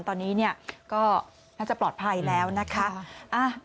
ตอนนี้เนี่ยก็น่าจะปลอดภัยแล้วนะคะ